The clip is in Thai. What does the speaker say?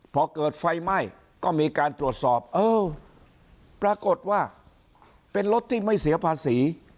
พอเกิดไฟไหม้ก็มีการตรวจสอบเออปรากฏว่าเป็นรถที่ไม่เสียภาษี